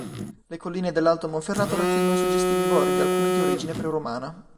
Le colline dell'Alto Monferrato racchiudono suggestivi borghi alcuni di origine preromana.